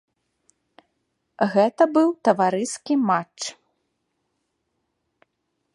Гэта быў таварыскі матч.